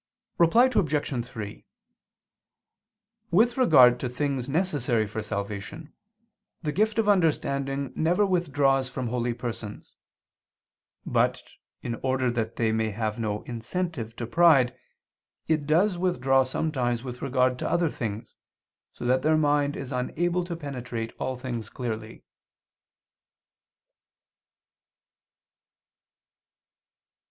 Reply Obj. 3: With regard to things necessary for salvation, the gift of understanding never withdraws from holy persons: but, in order that they may have no incentive to pride, it does withdraw sometimes with regard to other things, so that their mind is unable to penetrate all things clearly.